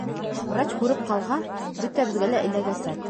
Врач күреп ҡалһа, бөтәбеҙгә лә эләгәсәк.